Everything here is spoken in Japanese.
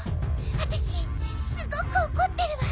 わたしすごくおこってるわ。